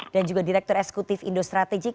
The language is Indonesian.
dan juga direktur eksekutif indostrategik